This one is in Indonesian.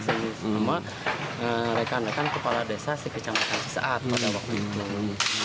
semua rekan rekan kepala desa di kecamatan cisaat pada waktu itu